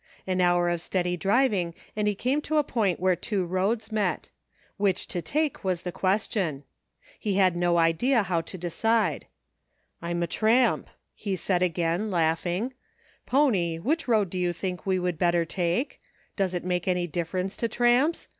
An hour of steady driving and he came to a point where two roads met. Which to take, was the question. He had no idea how to decide. " I'm a tramp," he said again, laughing. " Pony, which road do you think we would better take } Does it make any difference to tramps